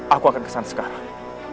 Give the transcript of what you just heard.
aku akan kesan sekarang